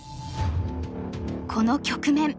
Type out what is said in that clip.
この局面